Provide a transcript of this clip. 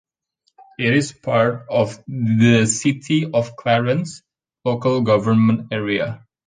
It is part of the City of Clarence local government area.